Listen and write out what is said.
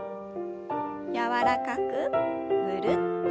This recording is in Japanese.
柔らかくぐるっと。